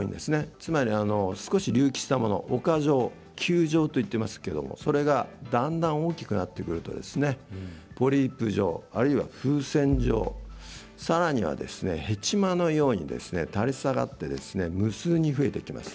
つまり少し隆起したもの丘状といっていますけれどもそれがだんだん大きくなってくるとポリープ状、あるいは風船状さらにはへちまのように垂れ下がって無数に増えていきます。